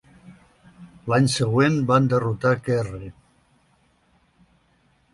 L'any següent van derrotar Kerry.